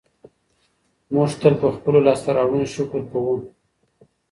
موږ تل په خپلو لاسته راوړنو شکر کوو.